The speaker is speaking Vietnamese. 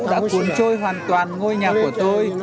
đã cuốn trôi hoàn toàn ngôi nhà của tôi